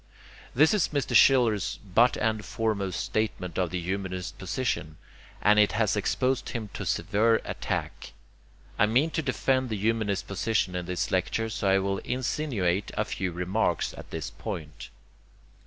This is Mr. Schiller's butt end foremost statement of the humanist position, and it has exposed him to severe attack. I mean to defend the humanist position in this lecture, so I will insinuate a few remarks at this point.